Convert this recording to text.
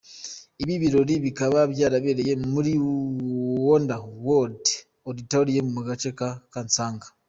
Ibi birori bikaba byarabereye muri Wonder World auditorium, mu gace ka Kansanga.